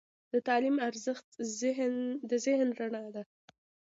د تعلیم ارزښت د ذهن رڼا ده.